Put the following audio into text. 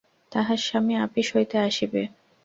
তাহার স্বামী আপিস হইতে আসিবে।